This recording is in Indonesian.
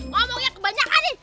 ngomongnya kebanyakan nih